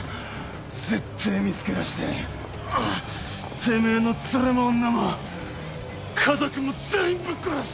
絶対見つけ出しててめえのツレも女も家族も全員ぶっ殺す！